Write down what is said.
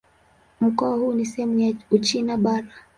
Mkoa huu ni sehemu ya Uchina Bara.